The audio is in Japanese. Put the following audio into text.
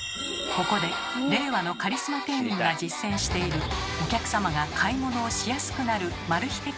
ここで令和のカリスマ店員が実践しているお客様が買い物をしやすくなるマル秘